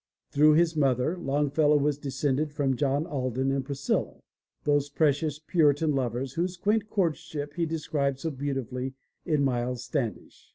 Through his mother Longfellow was descended from John Alden and Priscilla, those precious Puritan lovers whose quaint courtship he described so beautifully in Miles Standish.